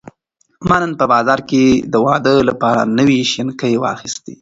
ما نن په بازار کې د واده لپاره نوې شینکۍ واخیستې.